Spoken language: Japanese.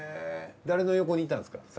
誰の横にいたんですか？